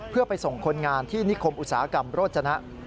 เพื่อไปส่งคนงานที่นิคมอุตสาหกรรมโรจนะ